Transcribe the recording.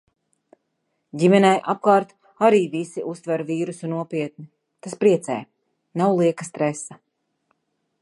Ģimenē apkārt arī visi uztver vīrusu nopietni. Tas priecē! Nav lieka stresa.